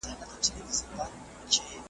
ماته دا عجیبه ښکاره سوه `